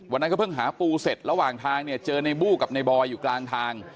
วันนั้นเขาเพิ่งหาปูเสร็จระหว่างทางเจอนายบู้กับนายบอยอยู่กลางทาง